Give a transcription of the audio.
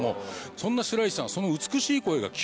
そんな白石さんその。